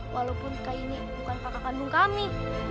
walaupun kak inni bukan pakar kandung kami